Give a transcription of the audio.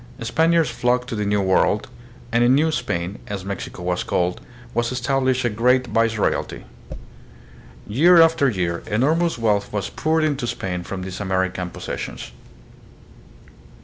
Span iards flocked to the New World, and in New Spain, as Mexico was called, was established a great vice royalty. Year after year enormous wealth was poured into Spain from these American possessions.